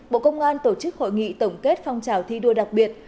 bộ công an tổ chức hội nghị tổng kết phong trào thi đua đặc biệt